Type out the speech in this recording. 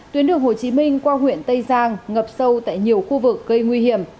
tuyến đường hồ chí minh qua huyện tây giang ngập sâu tại nhiều khu vực gây nguy hiểm